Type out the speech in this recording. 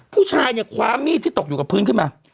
ผู้ชายเนี่ยคว้ามีดที่ตกอยู่กับพื้นขึ้นมา